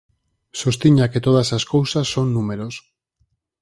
Sostiña que todas as cousas son números